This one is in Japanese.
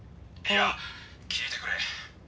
いや聞いてくれ。